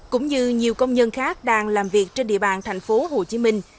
cũng như nhiều công nhân khác đang làm việc trên địa bàn thành phố hồ chí minh